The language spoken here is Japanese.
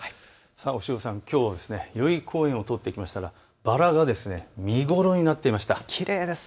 押尾さん、きょうは代々木公園を撮ってきましたがバラが見頃になっていました。